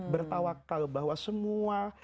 bertawakal bahwa semua